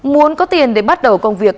muốn có tiền để bắt đầu công việc